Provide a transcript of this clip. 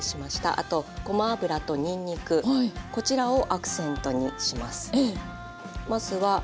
あとごま油とにんにくこちらをアクセントにします。